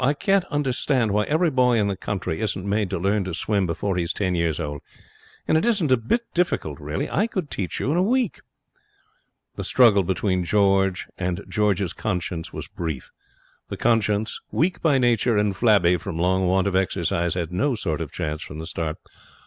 'I can't understand why every boy in the country isn't made to learn to swim before he's ten years old. And it isn't a bit difficult, really. I could teach you in a week.' The struggle between George and George's conscience was brief. The conscience, weak by nature and flabby from long want of exercise, had no sort of chance from the start.